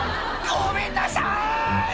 「ごめんなさい！」